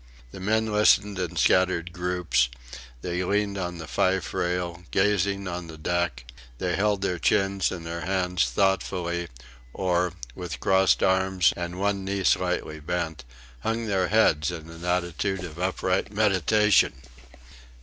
The men listened in scattered groups; they leaned on the fife rail, gazing on the deck; they held their chins in their hands thoughtfully, or, with crossed arms and one knee slightly bent, hung their heads in an attitude of upright meditation.